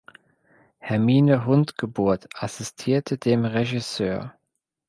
Hermine Huntgeburth assistierte dem Regisseur.